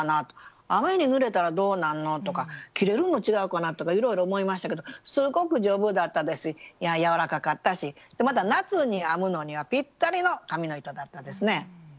雨に濡れたらどうなんのとか切れるのちがうかなとかいろいろ思いましたけどすごく丈夫だったですしやわらかかったし夏に編むのにはぴったりの紙の糸だったですね。